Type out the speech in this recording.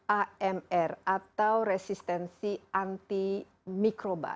amr atau resistensi antimikroba